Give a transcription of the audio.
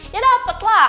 ya dapet lah